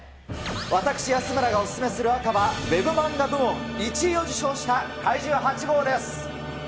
私、安村がお薦めする赤は、Ｗｅｂマンガ部門１位を受賞した、怪獣８号です。